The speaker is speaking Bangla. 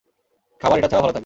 খাবার এটা ছাড়াও ভালো থাকবে!